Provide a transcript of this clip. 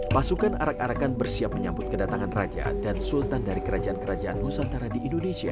pasukan arak arakan bersiap menyambut kedatangan raja dan sultan dari kerajaan kerajaan nusantara di indonesia